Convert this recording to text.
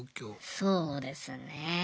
そうですねえ。